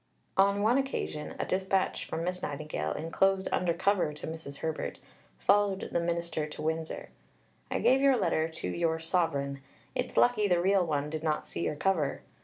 On one occasion a dispatch from Miss Nightingale, enclosed under cover to Mrs. Herbert, followed the Minister to Windsor: "I gave your letter to your 'Sovereign'; it's lucky the real one did not see your cover."